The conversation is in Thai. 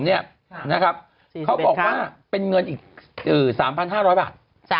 เขาบอกว่าเป็นเงินอีก๓๕๐๐บาท